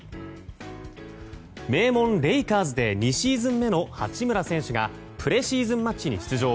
名門レイカーズで２シーズン目の八村選手がプレシーズンマッチに出場。